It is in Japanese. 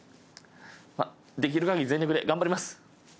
できる限り全力で頑張ります。